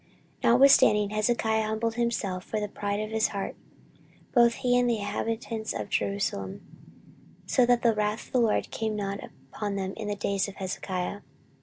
14:032:026 Notwithstanding Hezekiah humbled himself for the pride of his heart, both he and the inhabitants of Jerusalem, so that the wrath of the LORD came not upon them in the days of Hezekiah.